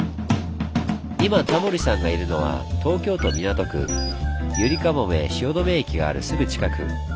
今タモリさんがいるのは東京都港区ゆりかもめ汐留駅があるすぐ近く。